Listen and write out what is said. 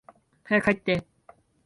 早く入って。